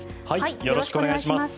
よろしくお願いします。